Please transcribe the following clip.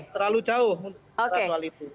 terlalu jauh soal itu